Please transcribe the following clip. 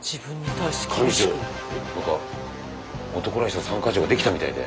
幹事長なんか男らしさ３か条ができたみたいで。